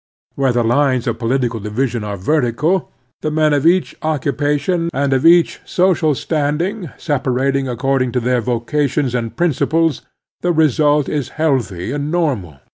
Where the lines of political division are vertical, the men of each occupation and of 74 The Strenuous Life every social standing separating according to their vocations and principles, the result is healthy and normal.